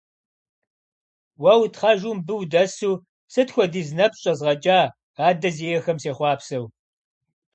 Уэ утхъэжу мыбы удэсу, сыт хуэдиз нэпс щӀэзгъэкӀа адэ зиӀэхэм сехъуапсэу.